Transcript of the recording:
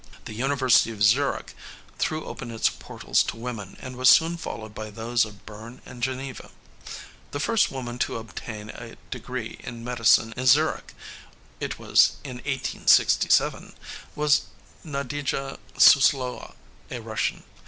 The University of Zurich threw open its portals to women, and was soon followed by those of Bern and Geneva. The first woman to obtain a degree in medicine in Zurich it was in 1867 was Nadejda Suslowa, a Russian.